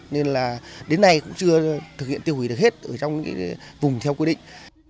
nên là đến nay cũng chưa thực hiện tiêu hủy được hết ở trong vùng theo quy định